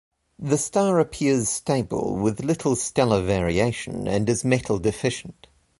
The star appears stable, with little stellar variation, and is metal-deficient.